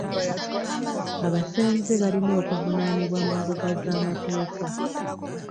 Abasenze balina okuvunaanibwa mu mbuga z'amateeka.